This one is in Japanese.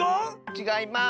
ちがいます！